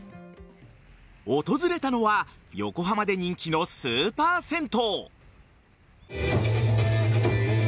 訪れたのは横浜で人気のスーパー銭湯。